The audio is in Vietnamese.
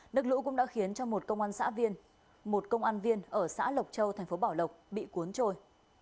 nước lũ cũng đã khiến một công an viên ở xã lộc châu thành phố bảo lộc bị cuốn trôi